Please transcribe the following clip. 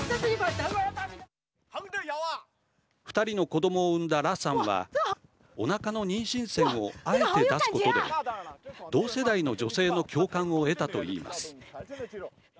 ２人の子どもを産んだ羅さんはおなかの妊娠線をあえて出すことで同世代の女性の共感を得たといいます。